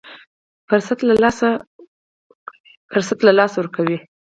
فرصت له لاسه ورکوي.